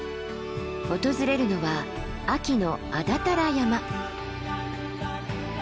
訪れるのは秋の安達太良山。